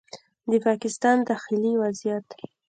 د پاکستان داخلي وضعیت